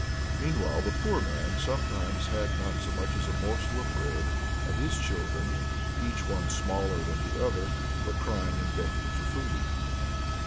Meanwhile the poor man sometimes had not so much as a morsel of bread, and his children each one smaller than the other were crying and begging for food.